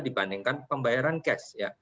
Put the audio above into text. dibandingkan pembayaran cash